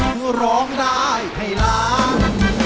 คุณร้องได้ไข่ล้าง